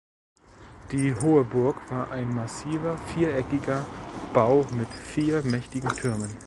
Die "Hohe Burg" war ein massiver viereckiger Bau mit vier mächtigen Türmen.